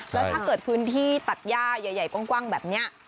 แล้วถ้าเกิดพื้นที่ตัดย่าใหญ่กว้างแบบนี้